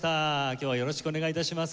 今日はよろしくお願い致します。